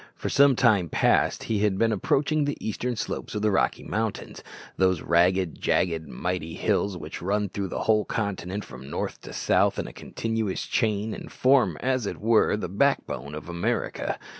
For some time past he had been approaching the eastern slopes of the Rocky Mountains those ragged, jagged, mighty hills which run through the whole continent from north to south in a continuous chain, and form, as it were, the backbone of America.